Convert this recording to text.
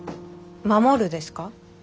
「守る」ですか？